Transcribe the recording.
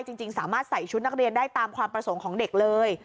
จริงสามารถใส่ชุดนักเรียนได้ตามความประสงค์ของเด็กเลย